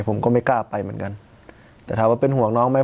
ผมก็ไม่กล้าไปเหมือนกันแต่ถามว่าเป็นห่วงน้องไหม